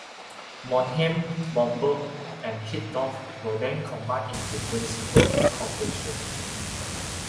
Monheim, Baumberg and Hitdorf were then combined into a municipal corporation.